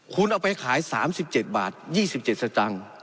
คุณเอาไปขาย๓๗บาท๒๗สตางค์